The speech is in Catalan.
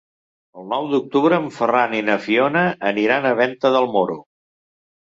El nou d'octubre en Ferran i na Fiona aniran a Venta del Moro.